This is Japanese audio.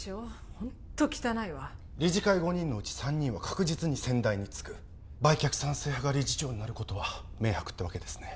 ホント汚いわ理事会５人のうち３人は確実に先代につく売却賛成派が理事長になることは明白ってわけですね